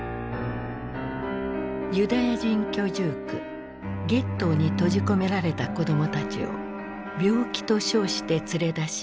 ユダヤ人居住区ゲットーに閉じ込められた子どもたちを病気と称して連れ出し２，５００人を救った。